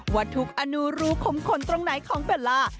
ว่าทุกอนุรูขมขนตรงไหนของเบลล่า